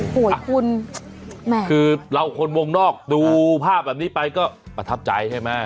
โอ้โหคุณแหมคือเราคนวงนอกดูภาพแบบนี้ไปก็ประทับใจใช่ไหม